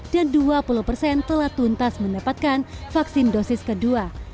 dan dua puluh persen telah tuntas mendapatkan vaksin dosis kedua